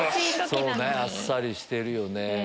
そうねあっさりしてるよね。